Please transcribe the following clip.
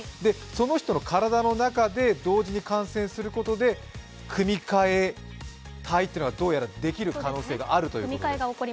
その人の体の中で同時に感染することで組み換え体というのか、どうやらできる可能性がある。